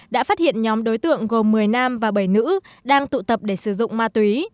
đã phát hiện nhóm đối tượng gồm một mươi nam và bảy nữ đang tụ tập để sử dụng ma túy